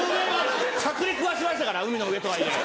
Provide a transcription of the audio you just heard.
着陸はしましたから海の上とはいえ。